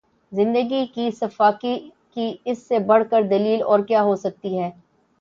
زندگی کی سفاکی کی اس سے بڑھ کر دلیل اور کیا ہوسکتی ہے